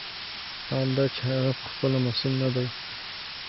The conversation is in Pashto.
حال دا چې هغه پخپله مسوول نه دی.